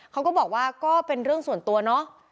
เขาก็บอกว่าก็เป็นเรื่องส่วนตัวเนาะ